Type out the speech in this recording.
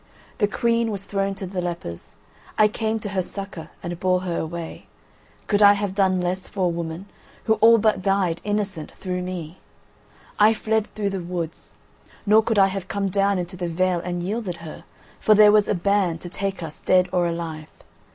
The Queen was thrown to the lepers; I came to her succour and bore her away. Could I have done less for a woman, who all but died innocent through me? I fled through the woods. Nor could I have come down into the vale and yielded her, for there was a ban to take us dead or alive.